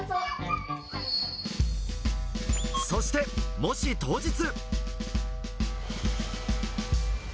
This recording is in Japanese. そして模試当日。